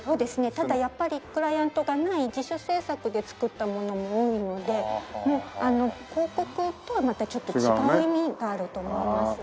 ただやっぱりクライアントがない自主制作で作ったものも多いのでもう広告とはまたちょっと違う意味があると思います。